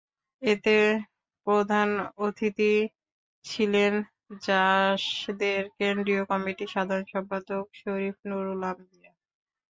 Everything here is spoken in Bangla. এতে প্রধান অতিথি ছিলেন জাসদের কেন্দ্রীয় কমিটির সাধারণ সম্পাদক শরীফ নুরুল আম্বিয়া।